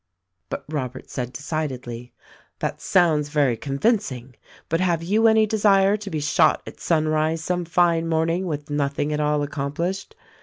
But Robert said decidedly, "That sounds very convinc ing, but, have you any desire to be shot at sunrise some fine morning with nothing at all accomplished?